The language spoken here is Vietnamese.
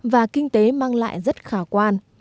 và kinh tế mang lại rất khả quan